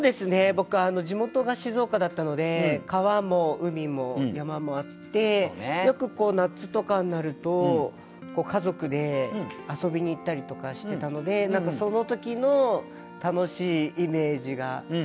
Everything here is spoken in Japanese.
僕地元が静岡だったので川も海も山もあってよく夏とかになると家族で遊びに行ったりとかしてたので何かその時の楽しいイメージがやっぱありますね。